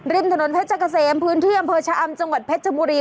ถนนเพชรเกษมพื้นที่อำเภอชะอำจังหวัดเพชรบุรี